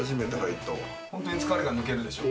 ホントに疲れが抜けるでしょ。